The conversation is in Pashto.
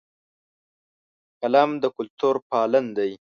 قلم د کلتور پالن دی